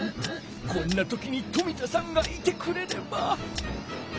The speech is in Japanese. こんな時に冨田さんがいてくれれば。